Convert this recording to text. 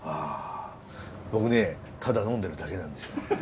僕ねただ呑んでるだけなんですよ。